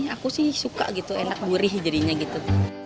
aku sih suka gitu enak gurih jadinya gitu